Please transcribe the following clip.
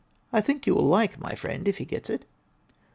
I think you will like my friend, if he gets it."